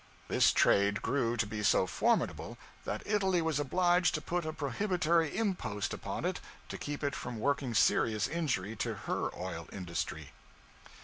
This trade grew to be so formidable that Italy was obliged to put a prohibitory impost upon it to keep it from working serious injury to her oil industry.